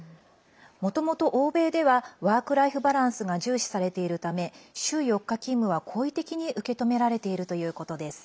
もともと、欧米ではワークライフバランスが重視されているため週４日勤務は好意的に受け止められているということです。